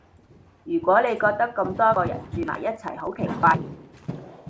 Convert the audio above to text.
如果你覺得咁多個人住埋一齊好奇怪